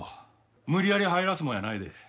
無理やり入らすもんやないで。